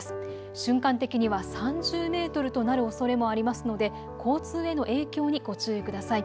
瞬間的には３０メートルとなるおそれもありますので交通への影響にご注意ください。